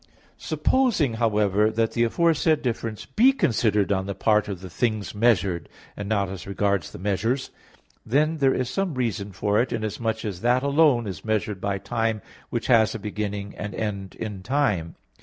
Supposing, however, that the aforesaid difference be considered on the part of the things measured, and not as regards the measures, then there is some reason for it, inasmuch as that alone is measured by time which has beginning and end in time.